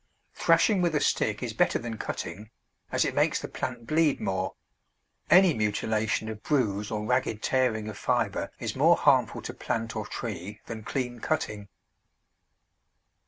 Thrashing with a stick is better than cutting, as it makes the plant bleed more; any mutilation of bruise or ragged tearing of fibre is more harmful to plant or tree than clean cutting.